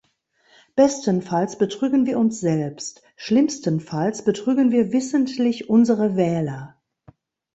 Bestenfalls betrügen wir uns selbst, schlimmstenfalls betrügen wir wissentlich unsere Wähler.